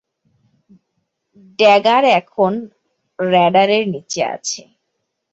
Dagger এখন রাডারের নিচে আছে।